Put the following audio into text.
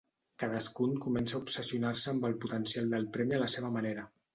Cadascun comença a obsessionar-se amb el potencial del premi a la seva manera.